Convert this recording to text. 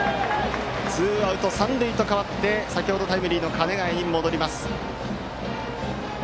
ツーアウト三塁と変わって先程タイムリーの鐘ヶ江です。